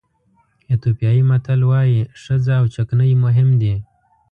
ایتیوپیایي متل وایي ښځه او چکنۍ مهم دي.